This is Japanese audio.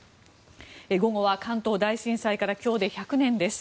午後は関東大震災から今日で１００年です。